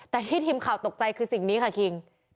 แต่ที่ทีมข่าวตกใจคือสิ่งนี้ค่ะคิง